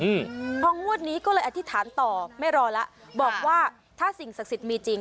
อืมพองวดนี้ก็เลยอธิษฐานต่อไม่รอแล้วบอกว่าถ้าสิ่งศักดิ์สิทธิ์มีจริง